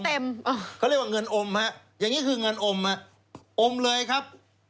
เขาเรียกว่าเงินอมฮะอย่างนี้คือเงินอมฮะอมเลยครับ